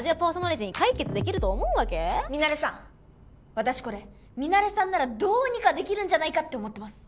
私これミナレさんならどうにかできるんじゃないかって思ってます。